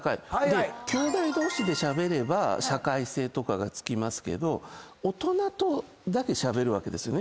きょうだい同士でしゃべれば社会性とかがつきますけど大人とだけしゃべるわけですよね